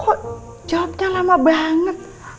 kok jawabnya lama banget